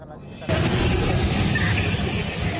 kita akan rencanakan lagi